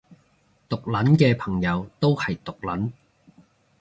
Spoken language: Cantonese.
毒撚嘅朋友都係毒撚